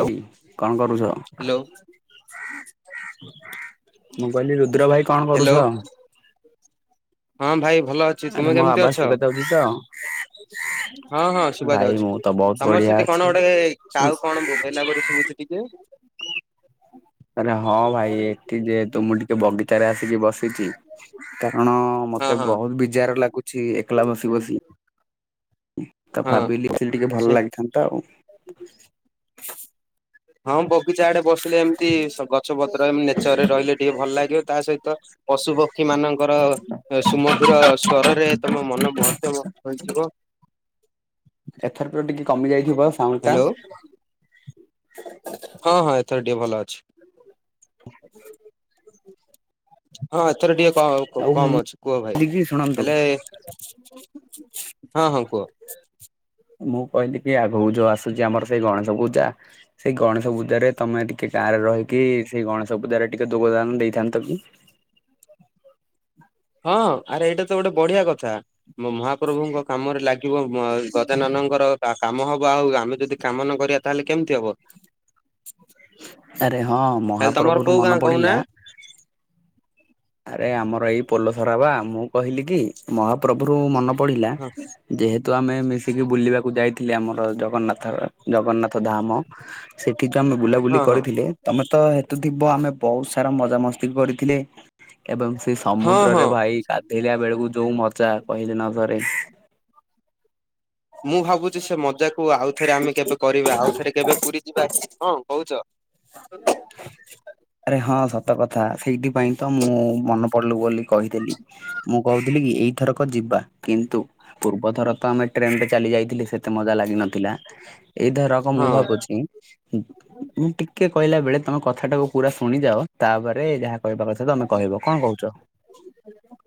ରବି କଣ କରୁଛ? ମୁଁ କହିଲି ରୁଦ୍ର ଭାଇ କଣ ହ୍ୟାଲୋ କରୁଛ? ହଁ, ଭାଇ ଭଲ ଅଛି। ଆରେ ତୁମେ ମୋ କେମ୍ ତି ଆବାଜ ଅଛ? ଶୁଭା ଯାଉଛି ତ? ହଁ, ହଁ ଶୁଭା ଭାଇ ଯାଉଛି। ମୁଁ ତ ବହୁତ ତମର ବଢିଆ ସେଠି ଅଛି। କଣ ଗୋଟେ-ଏ ଶୁଣୁ କାଉ କଣ ବୋବ୍ ବେଲା ପରି ଶୁଭୁଚି ଟିକେ? ଆରେ ହଁ, ଭାଇ ଏଠି ଯେହେତୁ ମୁଁ ଟିକେ ବଗିଚାରେ ଆସିକି ବସି ସିଛି, କାରଣ ହଁ ମତେ ହଁ ବହୁତ ବିଜାର ଲାଗୁଛି, ଏକଲା ବସି ବସି। ତ ହଁ ଭାବିଲି ଖି [inaudible] ଟିକେ ସେ ଭଲ ଲାଗିଥାନ୍ତା ଆଉ। ହଁ, ବଗିଚା ଆଡେ ବସିଲେ ଏମିତି ସ ଗଛ ପତ୍ର ନେଚର ରେ ରହିଲେ ଟିକେ ଭଲ ଲାଗିବ। ତା ସହିତ ପଶୁ ପକ୍ଷୀ ମାନଙ୍କର ସୁମଧୁର ସ୍ଵରରେ, ତମ ମନ ମଗ୍ଧହେଇ ଯିବ। ଏଥର ତ ଟିକେ କମି ଯାଇଥିବ ସାଉଣ୍ଡ ଟା? ହଁ, ହଁ ଏଥର ଟିକେ ଭଲ ଅଛି। ହଁ, ଏଥର ଟିକେ ଆଉ ମୁଁ କ-କମ୍ ଅଛି। କୁହ ଭାଇ, କହିଲି କି ଶୁଣନ୍ତୁ ହେଲେ ହଁ, ହଁ କୁହ। ମୁଁ କହିଲି କି ଆଗକୁ ଯୋଉ ଆସୁଛି, ଆମର ସେଇ ଗଣେଶ ପୂଜା। ସେଇ ଗଣେଶ ପୂଜାରେ ତମେ ଟିକେ ଗାଁରେ ରହିକି, ସେଇ ଗଣେଶ ପୂଜାରେ ଟିକେ ଯୋଗଦାନ ଦେଇଥାନ୍ତ କି? ହଁ, ଆରେ ଏଇଟା ତ ଗୋଟେ ବଢିଆ କଥା! ମହାପ୍ରଭୁଙ୍କ କାମରେ ଲାଗ କିବ ଗଜାନନଙ୍କର କା-କାମ ହବ ଆଉ, ଆମେ ଯଦି କାମ ନ କରିବା ତାହେଲେ କେମତି ହବ? ଆରେ ହଁ, ତାହେଲେ ତମର ମହାପ୍ରଭୁରୁ କୋଉ ଗାଁ ମନେ କହୁନା ପଡିଲା! ଆରେ ଆମର ଏଇ ପୋଲସରା ବା! ମୁଁ କହିଲି କି ମହାପ୍ରଭୁରୁ ମନେ ପଡିଲା। ହଁ ଯେହେତୁ ଆମେ ମିଶିକି ବୁଲିବାକୁ ଯାଇଥିଲେ, ଆମର ଜଗନ୍ନାଥ ଜଗନ୍ନାଥ ଧାମ। ସେଠି ଯୋଉ ଆମେ ବୁଲାବୁଲି ହଁ ହଁ କରିଥିଲେ। ତମେ ତ ହେତୁ ଥିବ, ଆମେ ବହୁତ୍ ସାରା ମଜା ମସ୍ତି କରିଥିଲେ। ଏବଂ ସେ ହଁ ସମୁଦ୍ରରେ ହଁ ଭାଇ ଗାଧେଇଲା ବେଳକୁ ଯୋଉ ମଜା, କହିଲେ ନ ସରେ। ମୁଁ ଭାବୁଛି, ସେ ମଜାକୁ ଆଉଥରେ ଆମେ କେବେ କରିବା? ଆଉ, ଥରେ କେବେ ପୁରୀ ଯିବା କଁ କହୁଛ? ତ ଆରେ ହଁ, ସତ କଥା! ସେଇଥିପାଇଁ ତ ମୁଁ ମନେ ପଡିଲୁ, ବୋଲି କହିଦେଲି। ମୁଁ କହୁଥିଲି କି, ଏଇଥରକ ଯିବା କିନ୍ତୁ ପୂର୍ବଥର ତ ଆମେ ଟ୍ରେନ୍ ରେ ଚାଲି ଯାଇଥିଲେ। ସେତେ ମଜା ଲାଗିିନଥିଲା, ଏଇ ଥର କଁ ହଁ ମୁଁ ଭାବୁଛି, ମୁଁ ଟିକ୍ ଟିକେ କହିଲା ବେଳେ ତମେ କଥାଟାକୁ ପୁରା ଶୁଣିଯାଅ। ତା'ପରେ ଯାହା କହିବା କଥା ତମେ କହିବ କଣ କହୁଛ?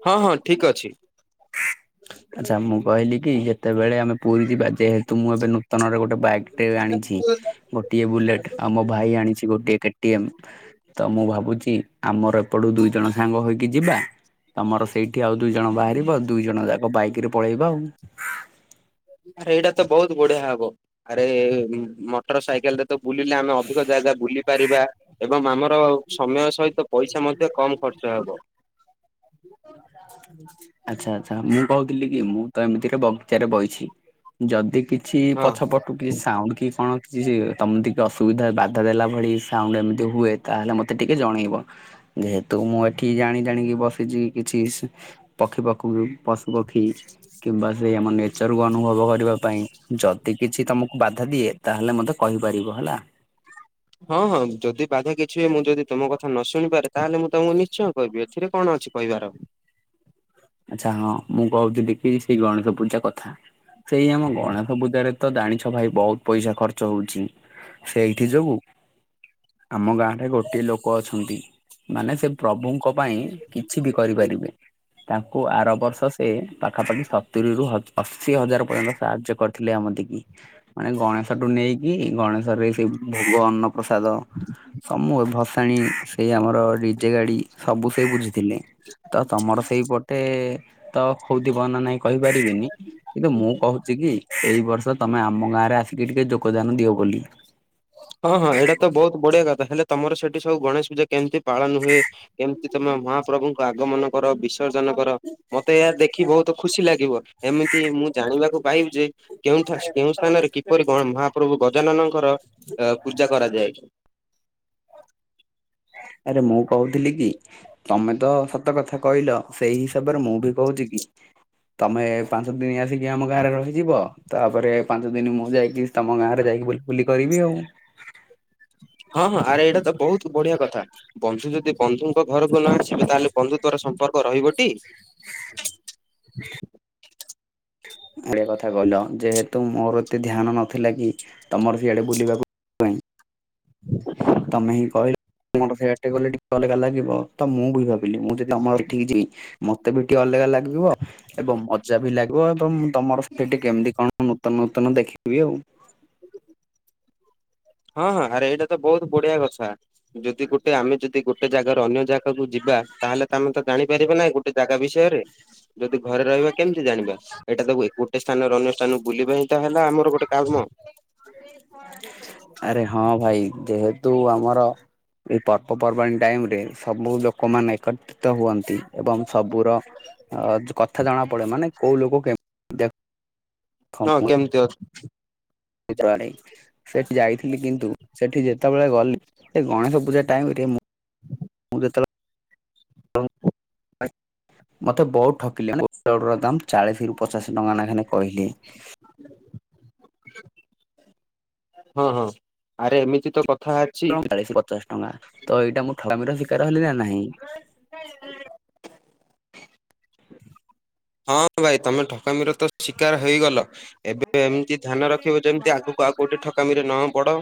ହଁ, ହଁ, ଠିକ୍ ଅଛି। ଆଚ୍ଛା, ମୁଁ କହିଲି କି ଯେତେବେଳେ ଆମେ ପୁରୀ ଯିବା, ଯେହେତୁ ମୁଁ ଏବେ ନୂତନରେ ଗୋଟେ ବାଇକ୍ ଟେ ଆଣିଛି ଗୋଟିଏ ବୁଲେଟ୍। ଆଉ ମୋ ଭାଇ ଆଣିଛି, ଗୋଟିଏ କେ ଟି ଏମ୍। ତ, ମୁଁ ଭାବୁଛି, ଆମର ଏପଟୁ ଦୁଇ ଜଣ ସାଙ୍ଗ ହୋଇକି ଯିବା। ତମର ସେଇଠି ଆଉ ଦୁଇ ଜଣ ବାହାରିବ। ଦୁଇ ଜଣ ଯାକ ବାଇକ୍ ରେ ପଳେଇବା ଆଉ। ଆରେ, ଏଇଟା ତ ବହୁତ ବଢିଆ ହବ। ଆରେ-ଏ ମଟର ସାଇକେଲରେ ତ ବୁଲିଲେ ଆମେ, ଅଧିକ ଜାଗା ବୁଲି ପାରିବା। ଏବଂ ଆମର ସମୟ ସହିତ, ପଇସା ମଧ୍ୟ କମ ଖର୍ଚ୍ଚ ହେବ। [inaudible] ଆଚ୍ଛା, ଆଚ୍ଛା, ମୁଁ କହୁଥିଲି କି! ମୁଁ ତ ଏମିତିରେ ବଗିଚାରେ ବଇଛି। ଯଦି କିଛି, ହଁ। ପଛ ପଟୁ କିଛି ସାଉଣ୍ଡ କି କଣ କିଛି! ତମ ଥି ତ ଅସୁବିଧା ବାଧା ଦେଲା ଭଳି ସାଉଣ୍ଡ ଏମିତି ହୁଏ। ତା, ହେଲେ ମତେ ଟିକେ ଜଣେଇବ। ଯେହେତୁ, ମୁଁ ଏଠି ଜାଣି ଜାଣିକି ବସିଛି। କିଛିସ୍ ପକ୍ଷୀ ପାକ୍ଷୁ ପଶୁ ପକ୍ଷୀ କିମ୍ବା ସେ ଆମ ନେଚରକୁୁ ଅନୁଭବ କରିବା ପାଇଁ, ଯଦି କିଛି ତମକୁ ବାଧା ଦିଏ, ତାହେଲେ ମତେ କହିପାରିବ ହେଲା। ହଁ, ହଁ ଯଦି ବାଧା କିଛି ହୁଏ, ମୁଁ ଯଦି ତୁମ କଥା ନ ଶୁଣିପାରେ, ତାହେଲେ ମୁଁ ତମକୁ ନିଶ୍ଚୟ କିହିବି। ଏଥିରେ କଣ ଅଛି? କହିବାର ଆଚ୍ଛା, ହଁ, ମୁଁ କହୁଥିଲି କି! ସେଇ ଗଣେଶ ପୂଜା କଥା। ସେଇ ଆମ ଗଣେଶ ପୂଜାରେ ତ ଜାଣିଛ, ଭାଇ ବହୁତ ପଇସା ଖର୍ଚ୍ଚ ହଉଛି। ସେଇଠି ଯୋଗୁ। ଆମ ଗାଁ ରେ ଗୋଟିଏ ଲୋକ ଅଛନ୍ତି ମାନେ ସେ ପ୍ରଭୁଙ୍କ ପାଇଁ କିଛି ବି କରିପାରିବେ। ତାଙ୍କୁ ଆର ବର୍ଷ ସେ ପାଖାପାଖି ସତୁରିରୁ ଅ ଅଶି ହଜାର ପର୍ଯ୍ୟନ୍ତ ସାହାଯ୍ୟ କରିଥିଲେ ଆମଟିକି। ମାନେ ଗଣେଶଠୁ ନେଇକି ଗଣେଶ ରେ ସେଇ ଭୋଗ ଅନ୍ନପ୍ରସାଦ ସମ ମୁ ଭସାଣୀ ସେ ଆମର ଡିଜେ ଗାଡି ସବୁ ସେ ବୁଝିଥିଲେ। ତ ତମର ସେଇପଟେ ତ ହଉ ଥିବ ନା ନାହିଁ କହିପାରିବିନି କିନ୍ତୁ ମୁଁ କହୁ ଚିକି ଏଇ ବର୍ଷ ତମେ ଆମ ଗାଁ ରେ ଆସିକି ଟିକେ ଯୋଗଦାନ ଦିଅ ବୋଲି। ହଁ ହଁ ଏଇଟା ତ ବହୁତ ବଢିଆ କଥା ହେଲେ ତମର ସେଠି ସବୁ ଗଣେଶ ପୂଜା କେମିତି ପାଳନ ହୁଏ? କେମିତି ତମେ ମହାପ୍ରଭୁଙ୍କୁ ଆଗମନ କର ବିସର୍ଜନ କର ମତେ ଏହା ଦେଖି ବହୁତ ତ ଖୁସି ଲାଗିବ। ଏମିତି ମୁଁ ଜାଣିବାକୁ ପାଇବି ଯେ କେଉଁଠ କେଉଁ ସ୍ଥାନରେ କିପରି ମହାପ୍ରଭୁ ଗଜାନନଙ୍କର ପୂଜା କରାଯାଏ। ଆରେ ମୁଁ କହୁଥିଲି କି ତମେ ତ ସ ତ କଥା କହିଲ ସେଇ ହିସାବରେ ମୁଁ ବି କହୁଛି କି ତମେ ପାଞ୍ଚ ଦିନ ଆସିକି ଆମ ଗାଁରେ ରହିଯିବ ତାପରେ ପାଞ୍ଚ ଦିନ ମୁଁ ଯାଇକି ତମ ଗାଁ ରେ ଯାଇକି ବୁଲି ବୁଲି କରିବି ଆଉ। ହଁ ହଁ ଆରେ ଏଇଟା ତ ବହୁତ ବଢିଆ କଥା ବନ୍ଧୁ ଯଦି ବନ୍ଧୁଙ୍କ ଘରକୁ ନ ଆସିବେ ତାହେଲେ ବନ୍ଧୁ ତୋର ସମ୍ପର୍କ ରହିବଟି? ଏଆ କଥା କହିଲ ଯେହେତୁ ମୋର ଏତେ ଧ୍ୟାନ ନଥିଲା କି ତମର ସିଆଡେ ବୁଲିବାକୁ ପାଇଁ ତମେ ହିଁ କହିଲ? ମୋର ସେଟେ ଗଲେ ଟିକେ ଅଲଗା ଲାଗିବ ତ ମୁଁ ବି ଭାବିଲି ମୁଁ ଯଦି ଆମ ଏଠିକି ଯିବି। ମତେ ବି ଟିକେ ଅଲଗା ଲାଗିବ ଏବଂ ମଜା ବି ଲାଗିବ ଏବଂ ତମର ସେଠିକେ କେମିତି କଣ ତ ନୂତନ ଦେଖିବି ଆଉ। ହଁ ହଁ ଆରେ ଏଇଟା ତ ବହୁତ ବଢିଆ କଥା ଯଦି ଗୋଟେ ଆମେ ଯଦି ଗୋଟେ ଜାଗାର ଅନ୍ୟ ଜାଗା ପାଖକୁ ଯିବା ତାହଲେ ତ ଆମେ ତ ଜାଣିପାରିବ ନାଇଁ ଗୋଟେ ଜାଗା ବିଷୟରେ ଯଦି ଘରେ ରହିବା କେମିତି ଜାଣିବା ଏଇଟା ତାକୁ ଏ ଗୋଟେ ସ୍ଥାନରେ ଅନ୍ୟ ସ୍ଥାନକୁ ବୁଲିବା ଏଇଟା ହେଲା ଆମର ଗୋଟେ କାମ। ଆରେ ହଁ ଭାଇ ଯେହେତୁ ଆମର ଏଇ ପର୍ବପର୍ବାଣି ଟାଇମ ରେ ସବୁ ଲୋକମାନେ ଏକତ୍ରିତ ହୁଅନ୍ତି। ଏବଂ ସବୁର ଅ କଥା ଜଣା ପଡେ ମାନେ କୋଉ ଲୋକ କେମ ହଁ କେମିତି ଅଛି? [unintelligible] ସେଠି ଯାଇଥିଲି କିନ୍ତୁ ସେଠି ଯେ ଯେତେବେଳେ ଗଲି ଏ ଗଣେଶ ପୂଜା ଟାଇମ ମୁଁ ଯେତେବେଳେ [unintelligible] ମତେ ବହୁତ ଠକିଲେ। ଲଡ଼ୁ ର ଦାମ ଚାଳିଶ ରୁ ପଚାଶ ଟଙ୍କା ନାଖାନେ କହିଲେ। ହଁ ହଁ ଆରେ ଏମିତି ତ କଥା। ଅଛି ଟ ଚାଳିଶ ପଚାଶ ଟଙ୍କା ତ ଏଇଟା ମୁଁ ଠକାମିର ଶିକାର ହେଲି ନା ନାହିଁ? [inaudible] [inaudible] ହଁ ଭାଇ ତମେ ଠକାମିର ତ ଶିକାର ହେଇଗଲ। ଏବେ ଏମିତି ଧ୍ୟାନ ରଖିବ ଯେମିତି ଆଗକୁ ଆଉ କୋଉଠି ଠକାମି ରେ ନ ପଡ।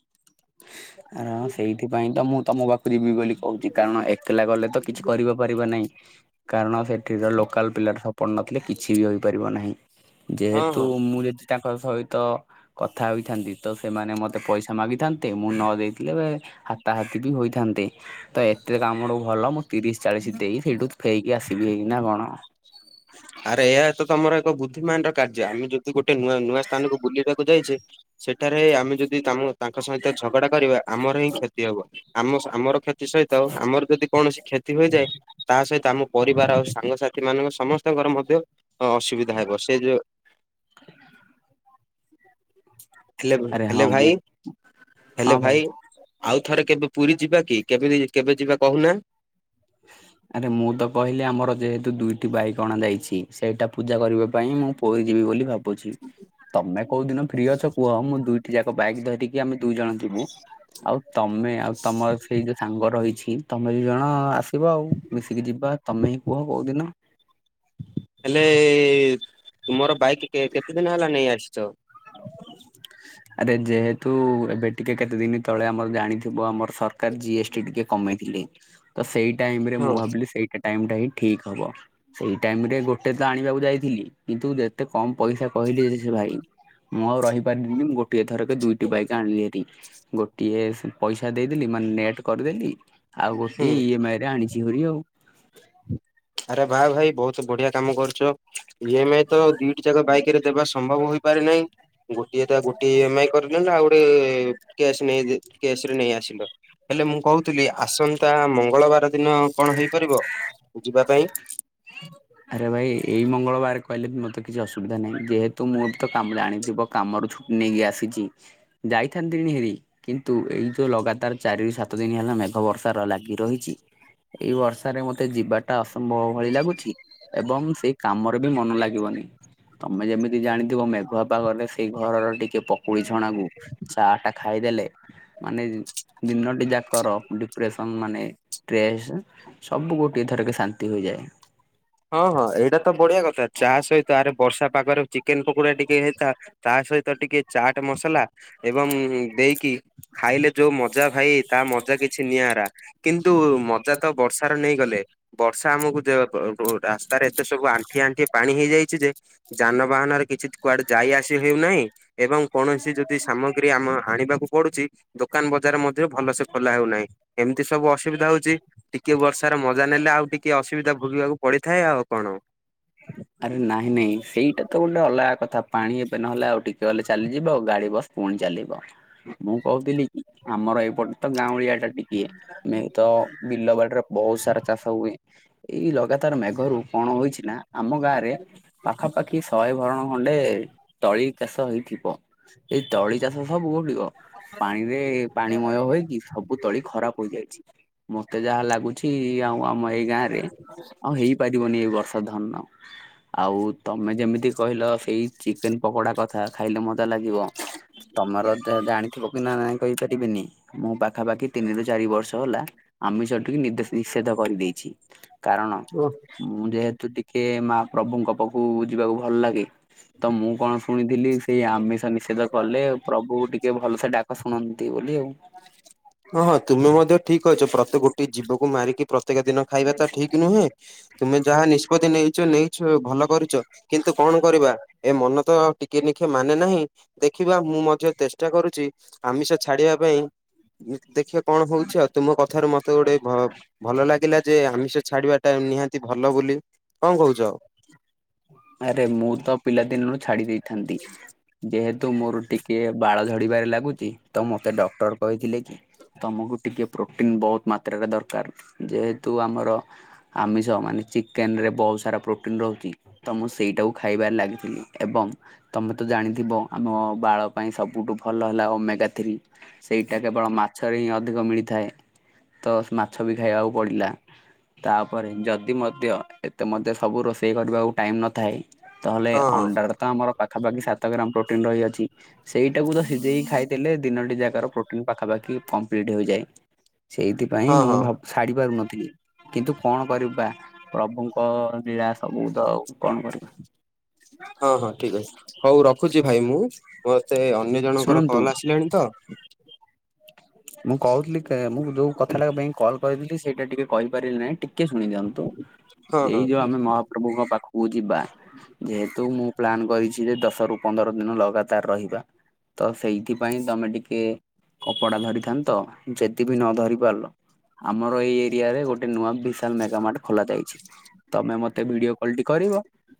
[inaudible] ଆରେ ହଁ ସେଇଥିପାଇଁ ତ ମୁଁ ତମକୁ ଅପ୍ରିବି ବୋଲି କହୁଛି କାରଣ ଏକଲା ଗଲେ ତ କିଛି କରିବା ପାରିବା ନାହିଁ। କାରଣ ସେଠିର ଲୋକାଲ ପିଲାର ସପୋଟ ନଥିଲେ କିଛି ବି ହୋଇପାରିବ ନାହିଁ। ହଁ ଯେହେତୁ ହଁ। ମୁଁ ଯଦି ତାଙ୍କ ସହିତ କଥା ହେଥାନ୍ତି ତ ସେମାନେ ମତେ ପଇସା ମାଗିଥାନ୍ତେ ମୁଁ ନ ଦେଇଥିଲେ। ହାତାହାତି ବି ହୋଇଥାନ୍ତେ ତ ଏତେ କାମ ଠୁ ଭଲ ତିରିଶ ଚାଳିଶ ଦେଇ ସେଇଠୁ ଫେକି ଆସିବି ହେଇକି ନା କଣ? ଆରେ ଏହା ତ ତମର ଏକ ବୁଦ୍ଧିମାନ ର କାର୍ଯ୍ୟ ଆମେ ଯଦି ଗୋଟେ ନୂଆ ନୂଆ ସ୍ଥାନକୁ ବୁଲିବାକୁ ଯାଇଛେ ସେଠାରେ ଆମେ ଯଦି ତ ତାଙ୍କ ସହିତ ଝଗଡା କରିବା ଆମର ହିଁ କ୍ଷତି ହବ। ଆମ ଆମର କ୍ଷତି ସହିତ ଆମର ଯଦି କୌଣସି କ୍ଷତି ହୋଇଯାଏ ତା ସହିତ ଆମ ପରିବାର ଆଉ ସାଙ୍ଗସାଥି ସେମାନଙ୍କ ସମସ୍ତଙ୍କର ମଧ୍ୟ ଅସୁବିଧା ହେବ ସେ ଯୋଉ [unintelligible] ହାଲୋ ଆରେ ହଁ ହାଲୋ ମୁଁ ଭାଇ ହାଲୋ ଭାଇ। ଆଉ ଥରେ କେବେ ପୁରୀ ଯିବା କି କେବେ-କେବେ ଯିବା କହୁନା? [unintelligible] ଆରେ ମୁଁ ତ କହିଲି ଆମର ଯେହେତୁ ଦୁଇଟି ବାଇକ ଅଣାଯାଇଚି ସେଇଟା ପୂଜା କରିବା ପାଇଁ ମୁଁ ପୁରୀ ଯିବି ବୋଲି ଭାବୁଚି। ବୁଝି ତମେ କୋଉ ଦିନ ଫ୍ରି ଅଛ କୁଅ ମୁଁ ଦୁଇଟି ଯାକ ବାଇକ୍ ଧରିକି ଆମେ ଦୁଇ ଜଣ ଯିବୁ ଆଉ ତମେ ଆଉ ତମର ସେଇ ଯୋଉ ସାଙ୍ଗ ରହିଛି ତମେ ଦି ଜଣ ଆସ ସିବ ଆଉ ମିଶିକି ଯିବା ତମେ ହିଁ କୁହ କୋଉଦିନ ହେଲେ ଏ-ତୁମର ବାଇକ୍ କେ-କେତେ ଦିନ ହେଲା ନେଇ ଆସିଚ? [unintelligible] ଆରେ ଯେହେତୁ ଏବେ ଟିକେ କେତେ ଦିନ ତଳେ ଆମର ଜାଣିଥିବ ଆମର ସରକାର ଜିଏସ୍ ଟି ଟିକେ କମେଇଥିଲେ ତ ସେଇ ଟାଇମରେ ମୁଁ ହଁ ଭାବିଲି ସେଇଟା ଟାଇମଟା ହିଁ ଠିକ୍ ହବ। ସେଇ ଟାଇମରେ ଗୋଟେ ତ ଆଣିବାକୁ ଯାଇଥିଲି କିନ୍ତୁ ଯେତେ କମ୍ ପଇସା କହିଲି ଯେ ସେ ଭାଇ ମୁଁ ଆଉ ରହିପାରିଲିନି ଗୋଟିଏ ଥରକେ ଦୁଇଟି ବାଇକ୍ ଆଣିଲି ଭାରି। ଟି ଗୋଟିଏ ପଇସା ଦେଇଦେଲି ମାନେ ନେଟ୍ କରିଦେଲି ଆଉ ହୁଁ। ଗୋଟିଏ ଇଏମାଏ ଟା ଆଣିଚି ଭାରି ଆଉ। ଆରେ ବା ଭାଇ ବହୁତ ବଢିଆ କାମ କରିଚ ଇ ଏମ ଆଇ ତ ଦିଟି ଯାକ ବାଇକ ରେ ଦେବା ସମ୍ଭବ ହୋଇ ପାରେ ନାହିଁ। ଗୋଟିଏ ତା ଗୋଟେ ଇଏ ମାଇ କରିଦିଅନ୍ତ ଆଉ ଗୋଟେ କ୍ୟାସ୍ ନେଇ ଦେ କ୍ୟାସ୍ ରେ ନେଇ ଆସିଲ। ହେଲେ ମୁଁ କହୁଥିଲି ଆସନ୍ତା ମଙ୍ଗଳବାର ଦିନ କଣ ହେଇପାରିବ ଯିବା ପାଇଁ? ଆରେ ଭାଇ ଏଇ ମଙ୍ଗଳବାର କହିଲେ ମୋତେ କିଛି ଅସୁବିଧା ନାହିଁ ଯେହେତୁ ମୁଁ ବି ତ କାମୁଡା ଆଣିଥିବ କାମ ର ଛୁଟି ନେଇକି ଆସିଚି ଯାଇଥାନ୍ତି [unintelligible] କିନ୍ତୁ ଏଇ ଯୋଉ ଲଗାତାର ଚାରିରୁ ସାତ ଦିନ ହେଲା ମେଘ ବର୍ଷାର ଲାଗି ରହିଚି ଏଇ ବର୍ଷାରେ ମତେ ଯିବାଟା ଅସମ୍ଭବ ଭଳି ଲାଗୁଚି ଏବଂ ସେଇ କାମ ବି ମନ ଲାଗିବନି ତମେ ଯେମିତି ଜାଣିଥିବ ମେଘୁଆ ପାଗରେ ସେଇ ଘରର ଟିକେ ପକୁଡି ଝଣାକୁ ଚା ଟା ଖାଇଦେଲେ ମାନେ ଦିନଟି ଯାକର ଡିପ୍ରେସନ ମାନେ ଷ୍ଟ୍ରେସ୍ ସବୁ ଗୋଟିଏ ଥରକେ ଶାନ୍ତି ହୋଇଯାଏ। ହଁ ହଁ ଏଇଟା ତ ବଢିଆ କଥା ଚାହା ସହିତ ଆରେ ବର୍ଷା ପାଗରେ ଚିକେନ ପକୋଡ଼ା ଟିକେ ହେଇଥା ତା ସହିତ ଟିକେ ଚାଟ ମସଲା ଏବଂ ଦେଇକି ଖାଇଲେ ଯୋଉ ମଜା ଭାଇ ତା ମଜା କିଛି ନିଆରା। କିନ୍ତୁ ମଜା ତ ବର୍ଷାର ନେଇ ଗଲେ ବର୍ଷା ଆମକୁ ଯ ବ ରାସ୍ତାରେ ଏତେ ସବୁ ଆଣ୍ଠିଏ ଆଣ୍ଠିଏ ପାଣି ହେଇଯାଇଛି ଯେ ଯାନବାହାନରେ କିଛି କୁଆଡେ ଯାଇ ଆସି ହେଉନାହିଁ। ଏବଂ କୌଣସି ଯଦି ସାମଗ୍ରୀ ଆମ ଆଣିବାକୁ ପଡୁଛି ଦୋକାନ ବଜାର ମଧ୍ୟ ଭଲସେ ଖୋଲା ହଉନାହିଁ ଏମିତି ସବୁ ଅସୁବିଧା ହଉଛି। ଟିକେ ବର୍ଷାର ମଜା ନେଲେ ଆଉ ଟିକେ ଅସୁବିଧା ଭୋଗିବାକୁ ପଡିଥାଏ ଆଉ କଣ। [inaudible] ଆରେ ନାଇଁ ନାଇଁ ସେଇଟା ତ ଗୋଟେ ଅଲଗା କଥା ପାଣି ଏବେ ନହେଲେ ଆଉ ଟିକେ ଗଲେ ଚାଲିଯିବ ଆଉ ଗାଡି ବସ ପୁଣି ଚାଲିବ ମୁଁ କହୁଥିଲି କି ଆମର ଏଇପଟେ ତ ଗାଉଁଳିଆ ଟା [unintelligible] ତ ବିଲବାଡିରେ ବହୁତ ସାରା ଚାଷ ହୁଏ ଏଇ ଲଗାତାର ଘରୁ କଣ ହୋଇଚି ନା ଆମ ଗାଁରେ ପାଖାପାଖି ଶହେ ଭରଣ ଖଣ୍ଡେ ତଳି ଚାଷ ହେଇଥିବ। ଏଇ ତଳି ଚାଷ ସବୁ ଗୁଡିକ ପାଣିରେ ପାଣିମୟ ହକି ସବୁ ତଳି ଖରାପ ହୋଇଯାଇଚି ମତେ ଯାହା ଲାଗୁଚି ଆଉ ଆମ ଏଇ ଗାଁ ରେ ଆଉ ହେଇ ପାରିବନି ଏଇ ବର୍ଷା ଧନ ଆଉ ତମେ ଯେମିତି କହିଲ ସେଇ ଚିକେନ ପକୋଡ଼ା କଥା ଖାଇଲେ ମଜା ଲାଗିବ ତମର ଜାଣିଥିବ କି ନା ନାହିଁ କହିପାରିବିନି ମୁଁ ବା ପାଖାପାଖି ତିନିରୁ ଚାରି ବର୍ଷ ହେଲା ଆମେ ଟିକି ନିଦେଷ ନିଷେଧ କରିଦେଇଛି କାରଣ କୁହ। ମୁଁ ଯେହେତୁ ଟିକେ ମାହାପ୍ରଭୁଙ୍କ ପାଖୁକୁ ଯିବାକୁ ଭଲ ଲାଗେ। ତ ମୁଁ କଣ ଶୁଣିଥିଲି ସେଇ ଆମିଷ ନି ଷେଧ କଲେ ପ୍ରଭୁ ଟିକେ ଭଲସେ ଡାକ ଶୁଣନ୍ତି ବୋଲି ଆଉ। ହଁ ହଁ ତୁମେ ମଧ୍ୟ ଠିକ୍ କହିଚ ପ୍ରତ୍ୟେକ ଗୋଟିଏ ଜୀବକୁ ମାରିକି ପ୍ରତ୍ୟେକ ଦିନ ଖାଇବା ତ ଠିକ ନୁହେଁ। ତୁମେ ଯାହା ନିଷ୍ପତି ନେଇଛ ନେଇଛ ଭଲ କରିଚ। କିନ୍ତୁ କଣ କରିବା ଏ ମନ ତ ଟିକେ ନିଖେ ମାନେ ନାହିଁ। ଦେଖିବା ମୁଁ ମଧ୍ୟ ତେଷ୍ଟା କରୁଚି ଆମିଷ ଛାଡିବା ପାଇଁ। ଉଁ ଦେଖିଆ କଣ ହୋଉଛି ଆଉ। ତୁମ କଥାରୁ ମତେ ଗୋଟେ ଭ ଭଲ ଲାଗିଲା ଯେ ଆମିଷ ଛାଡିବାଟା ନିହାତି ଭଲ ବୋଲି। କଁ କୋହୁଚ ଆଉ ଆରେ ମୁଁ ତ ପିଲାଦିନରୁୁ ଛାଡି ଦେଇଥାନ୍ତି ଯେହେତୁ ମୋରୋ ଟିକେ ବାଳ ଝଡ଼ିବାରେ ଲାଗୁଚି ତ ମୋତେ ଡକ୍ଟର କହିଥିଲେ କି ତମୁକୁ ଟିକେ ପ୍ରୋଟିନ ବୋହୁତ ମାତ୍ରାରେ ଦରକାର ଯେହେତୁ ଆମର ଆମିଷ ମାନେ ଚିକେନରେ ବୋହୁତ ସାରା ପ୍ରୋଟିନ୍ ରୋହୁଚି। ତ ମୁଁ ସେଇଟାକୁ ଖାଇବାରେ ଲାଗିଥିଲି ଏବଂ ତମେ ତ ଜାଣିଥିବ ଆମ ବାଳ ପାଇଁ ସବୁଠୁ ଭଲ ହେଲା ଓ ମେଗା ଥ୍ରୀ। ସେଇଟା କେବଳ ମାଛରେ ହିଁ ଅଧିକ ମିଳିଥାଏ ତ ମାଛ ବି ଖାଇବାକୁ ପଡିଲା। ତାପରେ ଯଦି ମଧ୍ୟ ଏତେ ମଧ୍ୟ ସବୁ ରୋଷେଇ କରିବାକୁ ଟାଇମ୍ ନଥାଇ ତହେଲେ ହଁ ହଁ ଅଣ୍ଡାରେ ତ ଆମର ପାଖାପାଖି ସାତ ଗ୍ରାମ ପ୍ରୋଟିନ୍ ରହିଅଛି। ସେଇଟାକୁ ତ ସିଜେଇକି ଖାଇଦେଲେ ଦିନଟି ଯାକାର ପ୍ରୋଟିନ ପାଖାପାଖି କମ୍ପ୍ଲିଟ୍ ହୋଇଯାଏ। ସେଇଥିପାଇଁ ହଁ ମୁଁ ହଁ। ଭାବୁ ଛାଡି ପାରୁନଥିଲି କିନ୍ତୁ କଣ କରିବା ପ୍ରଭୁଙ୍କ ଲୀଳା ସବୁ ତ ଆଉ। କଣ କରିବା। ହଁ ହଁ ଠିକ୍ ଅଛି ହୋଉ ରଖୁଚି ଭାଇ ମୁଁ ମତେ ଅନ୍ୟ ଜଣଙ୍କର ଶୁଣନ୍ତୁ କଲ୍ ଆସିଲାଣି ତ [inaudible] ମୁଁ କହୁଥିଲି କେ ମୁଁ ଯେଉଁ କଥାଟା ପାଇଁ କଲ୍ କରିଥିଲି ସେଇଟା ଟିକେ କହିପାରିଲି ନାହିଁ ଟିକିଏ ଶୁଣି ଦିଅନ୍ତୁ। ହଁ ହଁ ଏଇ ଯୋଉ ଆମେ ମହାପ୍ରଭୁଙ୍କ ପାଖୁକୁ ଯିବା। ଯେହେତୁ ମୁଁ ପ୍ଲାନ୍ କରିଛି ଯେ ଦଶରୁ ପନ୍ଦର ଦିନ ଲଗାତାର ରହିବା। ତ ସେଇଥି ପାଇଁ ତମେ ଟିକେ କପଡା ଧରିଥାନ୍ତ ଯେଦି ବି ଧରି ପାରିଲ ଆମର ଏଇ ଏ ରିଆ ଗୋଟେ ନୂଆ ଭିଶାଲ୍ ମେଗାମାର୍ଟ ଖୋଲା ଯାଇଛି ତମେ ମତେ ଭିଡିଓ କଲ୍ ଟି କରିବ।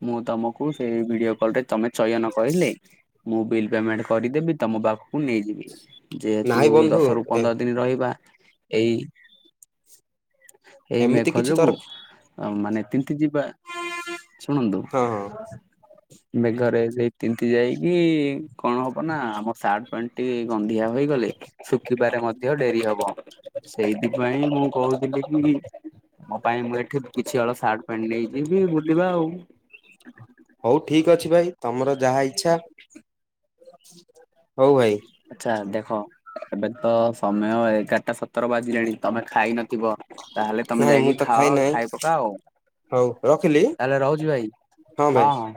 ମୁଁ ତମକୁ ସେଇ ଭିଡିଓ କଲ ଟେ ତମେ ଚୟନ କହିଲେ ମୁଁ ବିଲ୍ ପେମେଣ୍ଟ କରିଦେବି। ତମ ପାଖୁକୁ ନେଇଯିବି ଯେହେତୁ ନାଇଁ ବନ୍ଧୁ ଦଶ ରୁ ଏ ପନ୍ଦର ଦିନି ରହିବା ଏଇ ଏଇ ଏମିତି ମେଘ କିଛି ଯୋଗୁ ତର ଅଁ ମାନେ ତିନ୍ତି ଯିବା ଶୁଣନ୍ତୁ ହଁ ହଁ ମେଘରେ ସେ ତିନ୍ତି ଯାଇକି କଣ ହବ ନା ଆମ ସାଟ୍ ପେଣ୍ଟ୍ ଟି ଗନ୍ଧିଆ ହ ହୋଇଗଲେ ଶୁଖିବାରେ ମଧ୍ୟ ଡେରି ହବ। ସେଇଥି ପାଇଁ ମୁଁ କୋହୁଥିଲି କି। ମୋ ପାଇଁ ମୁଁ ଏଠି କିଛି ହଳ ସାଟ୍ ପେଣ୍ଟ ନେଇଯିବି ବୁଲିବା ଆଉ। ହୋଉ ଠିକ ଅଛି ଭାଇ ତମର ଯାହା ଇଚ୍ଛା। ହୋଉ ଭାଇ। ଆଚ୍ଛା ଦେଖ ଏବେ ତ ସମୟ ଏଗାରଟା ସତର ବାଜିଲାଣି ତମେ ଖାଇନଥିବ। ତାହେଲେ ତମେ ନାଇଁ ମୁଁ ଯାଇକି ତ ଖାଇ ଖାଅ ନାହିଁ ଖାଇପକା ଆଉ। ହଉ ରଖିଲି ତାହଲେ ରହୁଛି ଭାଇ।